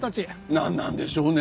なんなんでしょうね。